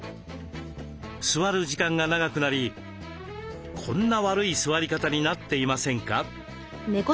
座る時間が長くなりこんな悪い座り方になっていませんか？